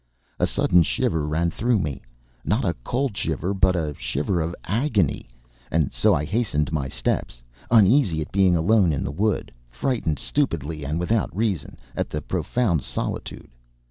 A sudden shiver ran through me, not a cold shiver, but a shiver of agony, and so I hastened my steps, uneasy at being alone in the wood, frightened stupidly and without reason, at the profound solitude.